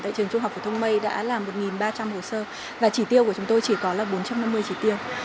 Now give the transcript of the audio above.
tại trường trung học phổ thông mây đã là một ba trăm linh hồ sơ và chỉ tiêu của chúng tôi chỉ có là bốn trăm năm mươi chỉ tiêu